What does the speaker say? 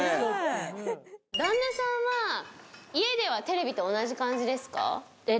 旦那さんは家ではテレビと同じ感じですか？